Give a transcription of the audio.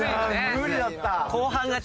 無理だった。